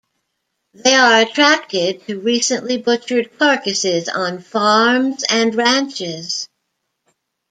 They are attracted to recently butchered carcasses on farms and ranches.